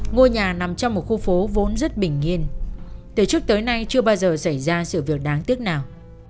ngôi nhà nằm trong một khu phố vốn rất bình yên từ trước tới nay chưa bao giờ xảy ra sự việc đáng tiếc nào